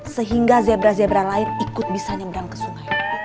sehingga zebra zebra lain ikut bisa nyebrang ke sungai